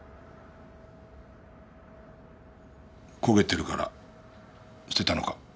焦げてるから捨てたのか？